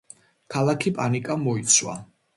ქალაქი პანიკამ მოიცვა.